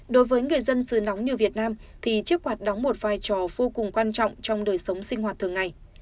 đối với người dân xứ nóng như việt nam thì chiếc quạt đóng một vai trò vô cùng quan trọng trong đời sống sinh hoạt thường ngày